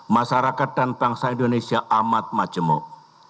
masyarakat dan bangsa indonesia amat majemuk